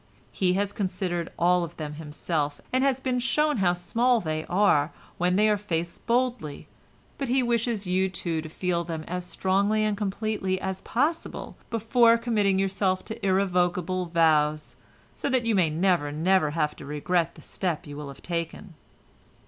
He has considered all of them himself, and has been shown how small they are, when they are faced boldly, but he wishes you, too, to feel them as strongly and completely as possible before committing yourself to irrevocable vows, so that you may never, never have to regret the step you will have taken."